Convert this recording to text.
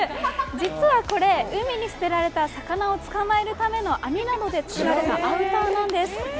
実はこれ、海に捨てられた魚を捕まえるための網などで作られたアウターなんです。